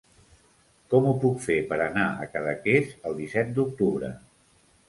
Com ho puc fer per anar a Cadaqués el disset d'octubre?